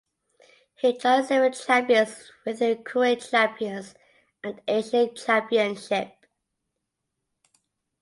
He joined several champions within Kuwait Champions and Asia Championship.